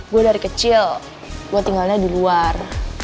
gue dari kecil gue tinggalnya di luar